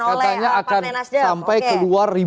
katanya akan sampai keluar